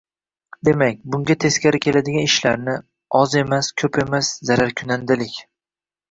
demak, bunga teskari keladigan ishlarni, oz emas ko‘p emas, zararkunandalik